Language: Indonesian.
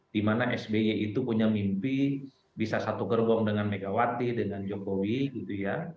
dimana sby itu punya mimpi bisa satu gerbong dengan megawati dengan jokowi gitu ya